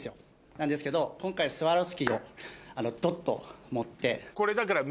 なんですけど今回スワロフスキーをどっと盛って。